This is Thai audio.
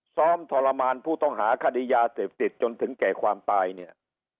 ทรมานผู้ต้องหาคดียาเสพติดจนถึงแก่ความตายเนี่ย